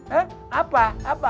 hah apa apa